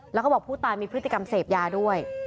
แล้วก็บอกผู้ตายมีพฤติกรรมเสพยาด้วย